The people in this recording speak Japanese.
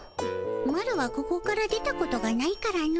マロはここから出たことがないからの。